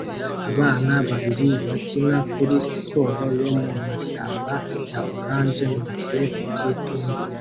Abana babiri bakina kuri siporo yo mu mashyamba ya orange mugihe cyitumba